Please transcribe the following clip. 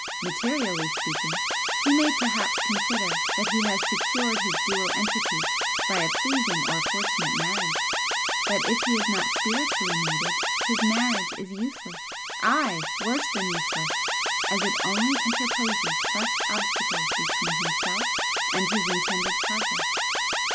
Materially speaking, he may perhaps consider that he has secured his dual entity by a pleasing or fortunate marriage but if he is not spiritually mated, his marriage is useless, ay! worse than useless, as it only interposes fresh obstacles between himself and his intended progress."